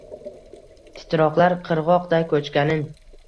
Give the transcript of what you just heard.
Titroqlar qirgʼoqday koʼchganin.